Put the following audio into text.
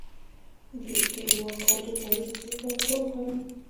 د ایوکاډو غوړي د څه لپاره وکاروم؟